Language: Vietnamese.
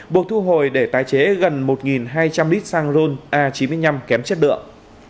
buộc thu hồi để tái chế gần một hai trăm linh lít xăng ron a chín mươi năm kém chất lượng